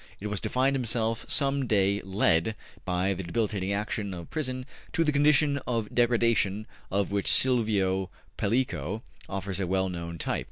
It was to find himself some day led, by the debilitating action of prison, to the condition of degradation of which Silvio Pellico offers a well known type.